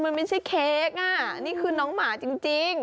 มันไม่ใช่เค้กอ่ะนี่คือน้องหมาจริง